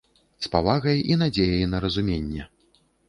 З павагай і надзеяй на разуменне.